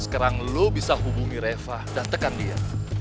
sekarang lo bisa hubungi reva dan tekan dia